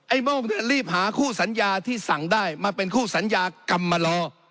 โม่รีบหาคู่สัญญาที่สั่งได้มาเป็นคู่สัญญากรรมลอ